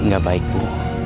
gak baik bu